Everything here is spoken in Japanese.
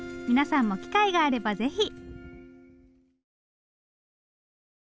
皆さんも機会があればぜひ。